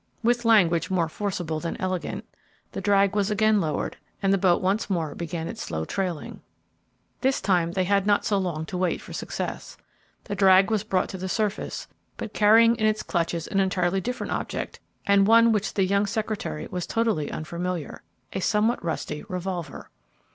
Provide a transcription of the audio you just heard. With language more forcible than elegant, the drag was again lowered, and the boat once more began its slow trailing. This time they had not so long to wait for success. The drag was brought to the surface, but carrying in its clutches an entirely different object, and one with which the young secretary was totally unfamiliar, a somewhat rusty revolver.